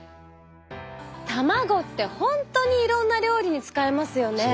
卵って本当にいろんな料理に使えますよね。